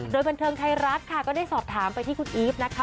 โดยบันเทิงไทยรัฐค่ะก็ได้สอบถามไปที่คุณอีฟนะคะ